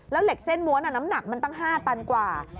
แล้วเหล็กเส้นม้วนน้ำหนักมันตั้ง๕ตันกว่า